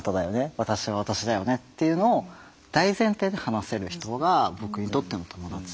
私は私だよねっていうのを大前提で話せる人が僕にとっての友達。